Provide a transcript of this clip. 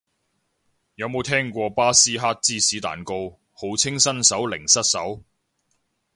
有冇聽過巴斯克芝士蛋糕，號稱新手零失手